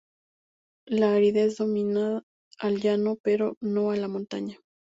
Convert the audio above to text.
La aridez domina al llano, pero no a la montaña.